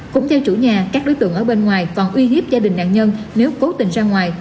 cũng theo chủ nhà các đối tượng ở bên ngoài còn uy hiếp gia đình nạn nhân nếu cố tình ra ngoài